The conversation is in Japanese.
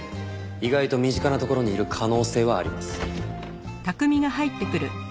意外と身近な所にいる可能性はあります。